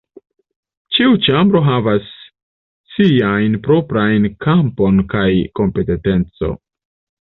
Ĉiu ĉambro havas siajn proprajn kampon de kompetenteco.